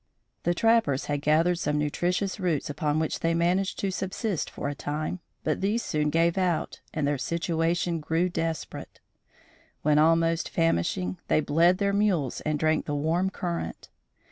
The trappers had gathered some nutritious roots upon which they managed to subsist for a time, but these soon gave out, and their situation grew desperate. When almost famishing they bled their mules and drank the warm current.